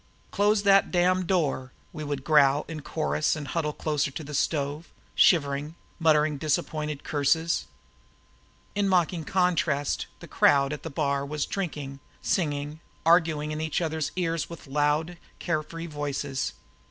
"Close that damned door!" we would growl in chorus and huddle closer to the stove, shivering, muttering disappointed curses. In mocking contrast the crowd at the bar were drinking, singing, arguing in each other's ears with loud, care free voices.